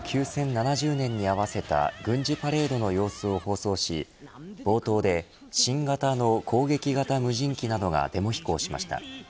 ７０年に合わせた軍事パレードの様子を放送し冒頭で新型の攻撃型無人機などがデモ飛行しました。